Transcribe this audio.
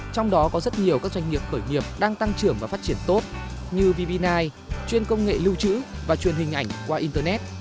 trong đó có rất nhiều các doanh nghiệp khởi nghiệp đang tăng trưởng và phát triển tốt như vbile chuyên công nghệ lưu trữ và truyền hình ảnh qua internet